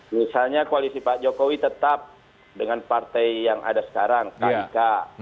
misalnya koalisi pak jokowi tetap dengan partai yang ada sekarang kik